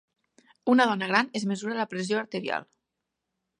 Una dona gran es mesura la pressió arterial.